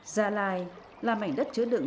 gia lai là mảnh đất chứa đựng